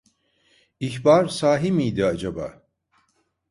İhbar sahi miydi acaba?